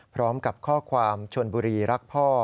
พร้อมกับข้อความชนบุรีรักพ่อ